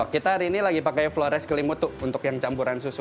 kita hari ini lagi pakai flores kelimut tuh untuk yang campuran susu